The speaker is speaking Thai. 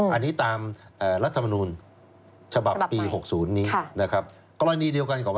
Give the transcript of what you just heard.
อันนี้ตามรัฐมนุษย์ฉบับปี๖๐นะครับ